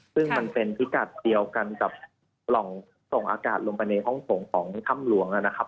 ซึ่งมันเป็นพิกัดเดียวกันกับปล่องส่งอากาศลงไปในห้องโถงของถ้ำหลวงนะครับ